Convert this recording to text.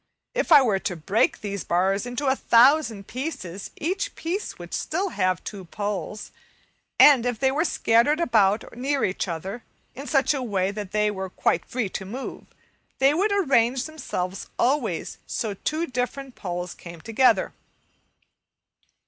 If I were to break these bars into a thousand pieces, each piece would still have two poles, and if they were scattered about near each other in such a way that they were quite free to move, they would arrange themselves always so two different poles came together.